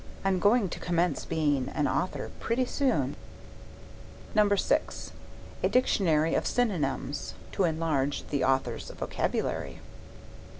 (I'm going to commence being an author pretty soon.) VI. A dictionary of synonyms. (To enlarge the author's vocabulary.)